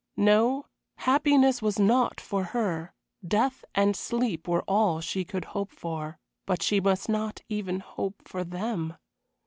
No, happiness was not for her. Death and sleep were all she could hope for; but she must not even hope for them.